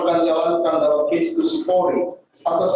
baca kan sekarang